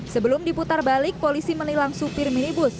sebelum diputar balik polisi menilang supir minibus